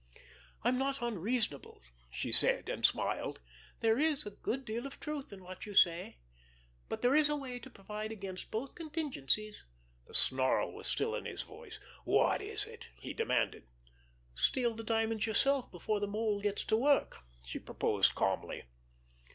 "I'm not unreasonable," she said—and smiled. "There is a good deal of truth in what you say. But there is a way to provide against both contingencies." The snarl was still in his voice. "What is it?" he demanded. "Steal the diamonds yourself before the Mole gets to work," she proposed calmly.